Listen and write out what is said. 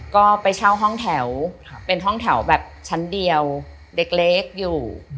ก็ไปเช่าห้องแถวเป็นห้องแถวแบบชั้นเดียวเล็กอยู่